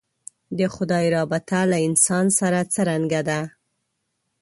د خدای رابطه له انسان سره څرنګه ده.